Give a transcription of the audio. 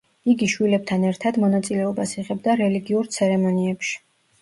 იგი შვილებთან ერთად, მონაწილეობას იღებდა რელიგიურ ცერემონიებში.